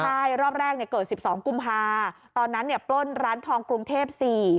ใช่รอบแรกเนี้ยเกิดสิบสองกุมภาคมตอนนั้นเนี้ยปล้นร้านทองกรุงเทพสี่